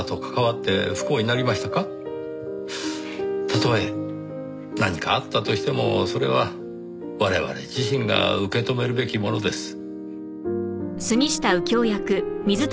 たとえ何かあったとしてもそれは我々自身が受け止めるべきものです。